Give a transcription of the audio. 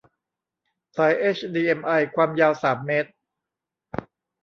สายเฮชดีเอ็มไอความยาวสามเมตร